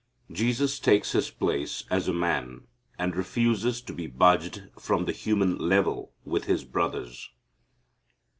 Jesus takes His place as a man and refuses to be budged from the human level with His brothers.